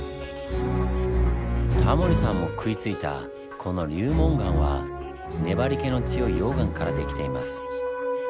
タモリさんも食いついたこの流紋岩は粘り気の強い溶岩から出来ています。